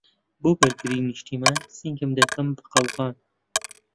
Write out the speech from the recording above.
بۆ بەرگریی نیشتمان، سنگم دەکەم بە قەڵغان